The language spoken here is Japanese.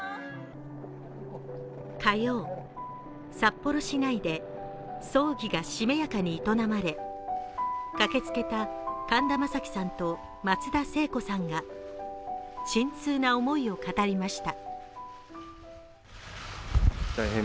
火曜、札幌市内で葬儀がしめやかに営まれ駆けつけた神田正輝さんと松田聖子さんが沈痛な思いを語りました。